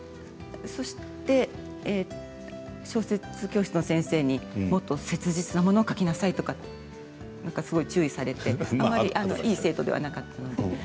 そして、小説教室の先生にもっと切実なものを書きなさいとか、すごい注意されてあまりいい生徒ではなかったんで。